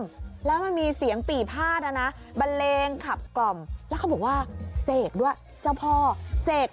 แล้วมันมีเสียงปีผาดท่อนน้ำบันเลงขับกล่อมเขาบอกว่าเสกด้วยเจ้าพ่อเสกเลข